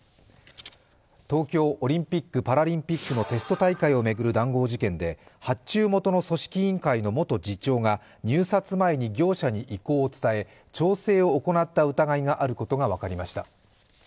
東京オリンピック・パラリンピックのテスト大会を巡る談合事件で、発注元の組織委員会の元次長が入札前に業者に意向を訴え調整を行った疑いがあることが分かりました。